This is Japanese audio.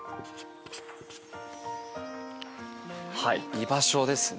居場所ですね。